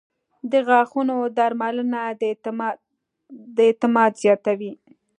• د غاښونو درملنه د اعتماد زیاتوي.